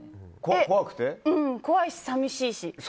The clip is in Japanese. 怖いし、寂しいし。